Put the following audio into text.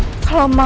sekarangmu sama aku